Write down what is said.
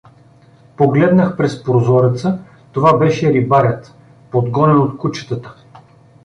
Погледнах през прозореца: това беше рибарят, подгонен от кучетата.